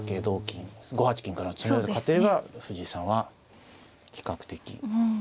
５八金からの詰めろで勝てれば藤井さんは比較的。